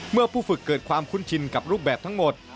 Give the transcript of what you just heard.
เมื่อผู้ฝึกเกิดความคุ้นชินกับรูปแบบทั้งหมด